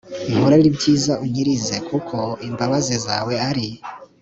unkorere ibyiza Unkirize kuko imbabazi zawe ari